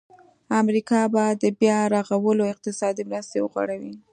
امریکا به د بیا رغولو اقتصادي مرستې وغواړي.